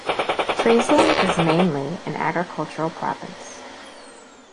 Friesland is mainly an agricultural province.